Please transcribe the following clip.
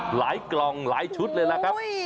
กล่องหลายชุดเลยล่ะครับ